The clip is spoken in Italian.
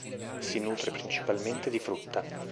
Si nutre principalmente di frutta.